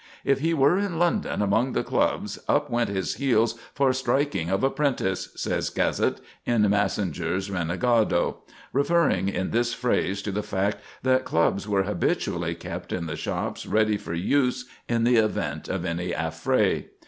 "If he were in London, among the clubs, up went his heels for striking of a 'prentice," says Gazet, in Massinger's "Renegado," referring in this phrase to the fact that clubs were habitually kept in the shops ready for use in the event of any affray.